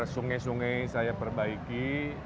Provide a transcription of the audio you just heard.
sungai sungai saya perbaiki